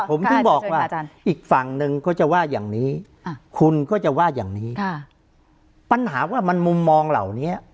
ผมถึงบอกว่าอีกฝั่งหนึ่งเขาจะว่าอย่างนี้คุณก็จะว่าอย่างนี้ปัญหาว่ามันมุมมองเหล่านี้